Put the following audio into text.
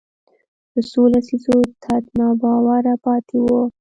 د څو لسیزو تت ناباوره پاتې وو